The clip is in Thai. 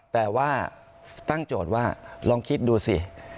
แต่ว่าตั้งโจทย์ว่าลองคิดดูสิ